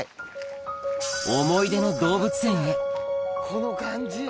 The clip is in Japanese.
思い出の動物園へこの感じ！